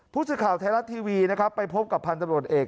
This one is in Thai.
ผู้สื่อข่าวไทยรัตน์ทีวีไปพบกับพันธุ์ตำรวจเอก